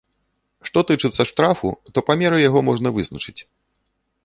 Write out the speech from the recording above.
Што тычыцца штрафу, то памеры яго можна вызначыць.